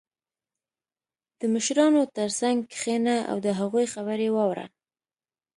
• د مشرانو تر څنګ کښېنه او د هغوی خبرې واوره.